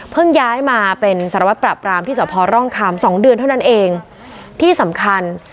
ย้ายมาเป็นสารวัตรปราบรามที่สพร่องคามสองเดือนเท่านั้นเองที่สำคัญ